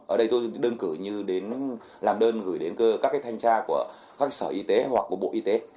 ở đây tôi đơn cử như đến làm đơn gửi đến các thanh tra của các sở y tế hoặc của bộ y tế